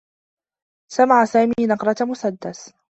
سمع سامي نقرة مسدّس.